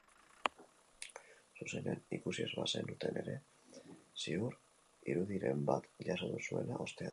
Zuzenean ikusi ez bazenuten ere, ziur, irudiren bat jaso duzuela ostean.